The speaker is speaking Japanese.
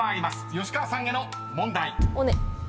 吉川さんへの問題］